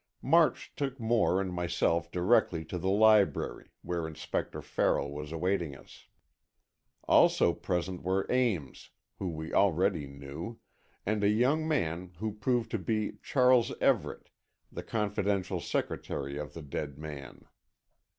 March took Moore and myself directly to the library, where Inspector Farrell was awaiting us. Also present were Ames, whom we already knew, and a young man, who proved to be Charles Everett, the confidential secretary of the dead man.